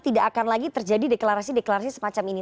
tidak akan lagi terjadi deklarasi deklarasi semacam ini